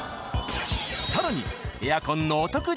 ［さらに］